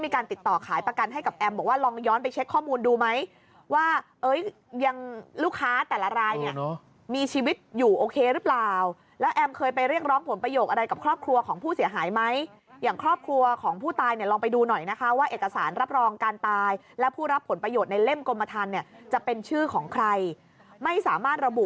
ขายประกันให้กับแอมบอกว่าลองย้อนไปเช็คข้อมูลดูไหมว่าเอ้ยยังลูกค้าแต่ละรายเนี่ยมีชีวิตอยู่โอเคหรือเปล่าแล้วแอมเคยไปเรียกร้องผลประโยชน์อะไรกับครอบครัวของผู้เสียหายไหมอย่างครอบครัวของผู้ตายเนี่ยลองไปดูหน่อยนะคะว่าเอกสารรับรองการตายและผู้รับผลประโยชน์ในเล่มกรมทันเนี่ยจะเป็นชื่อของใครไม่สามารถระบุ